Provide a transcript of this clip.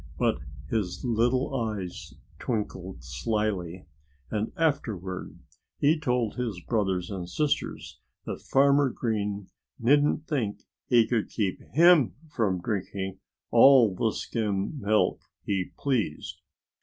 But his little eyes twinkled slyly. And afterward he told his brothers and sisters that Farmer Green needn't think he could keep him from drinking all the skim milk he pleased.